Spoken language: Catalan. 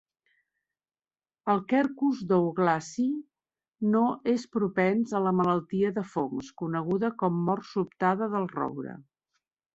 El "Quercus douglasii" no és propens a la malaltia de fongs coneguda com mort sobtada del roure.